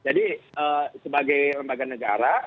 jadi sebagai lembaga negara